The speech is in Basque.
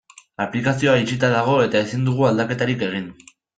Aplikazioa itxita dago eta ezin dugu aldaketarik egin.